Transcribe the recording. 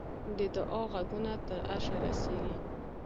د دعا ږغونه تر عرشه رسېږي.